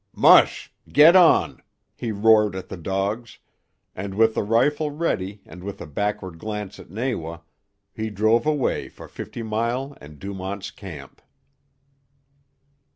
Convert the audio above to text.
"Mush! Get on!" he roared at the dogs, and with the rifle ready and with a backward glance at Nawa, he drove away for Fifty Mile and Dumont's Camp.